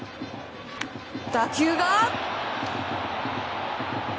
打球が。